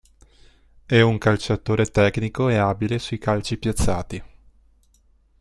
È un calciatore tecnico e abile sui calci piazzati.